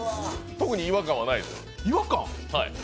特に違和感はないですか？